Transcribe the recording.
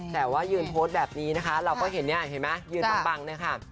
แต่ว่ายืนโพสต์แบบนี้นะคะเราก็เห็นเนี่ยเห็นไหมยืนปังเนี่ยค่ะ